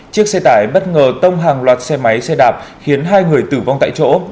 chiếc xe tải bất ngờ tông hàng loạt xe máy xe đạp khiến hai người tử vong tại chỗ